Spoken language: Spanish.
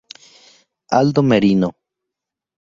Aldo Merino.